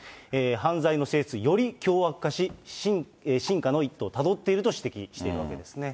犯罪の性質、より凶悪化し、深化の一途をたどっていると指摘しているわけですね。